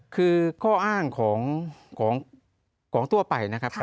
คือข้ออ้างของทั่วไปนะครับ